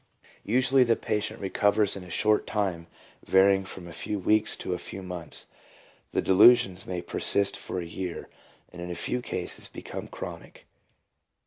Usually the patient recovers in a short time varying from a few weeks to a few months. The delusions may persist for a year, and in a few cases become chronic.